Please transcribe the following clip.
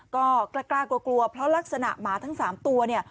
ก็กล้ากลัวกลัวเพราะลักษณะหมาทั้ง๓ตัวเนี่ย